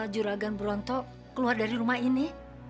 juragan beronto keluar dari rumah ini